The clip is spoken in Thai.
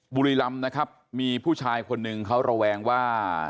บุรีรำนะครับมีผู้ชายคนหนึ่งเขาระแวงว่า